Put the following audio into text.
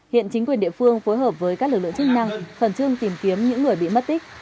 hiện chính quyền địa phương phối hợp với các lực lượng chức năng khẩn trương tìm kiếm những người bị mất tích